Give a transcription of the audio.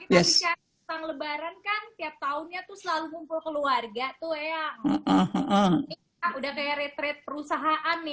lebaran kan tiap tahunnya tuh selalu kumpul keluarga tuh ya udah kayak retret perusahaan